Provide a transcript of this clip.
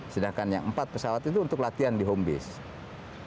sedangkan yang empat pesawat itu untuk latihan di home base